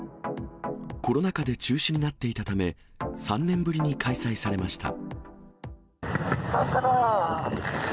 コロナ禍で中止になっていたため、３年ぶりに開催されました。